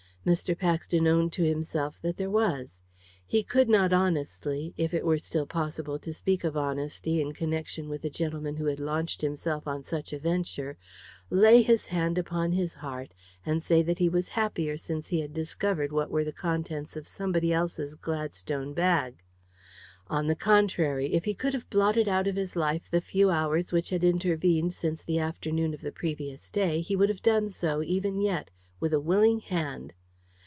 Mr. Paxton owned to himself that there was. He could not honestly if it were still possible to speak of honesty in connection with a gentleman who had launched himself on such a venture lay his hand upon his heart, and say that he was happier since he had discovered what were the contents of somebody else's Gladstone bag. On the contrary, if he could have blotted out of his life the few hours which had intervened since the afternoon of the previous day, he would have done so, even yet, with a willing hand.